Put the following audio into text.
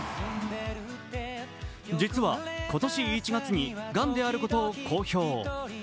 実は、今年１月にがんであることを公表。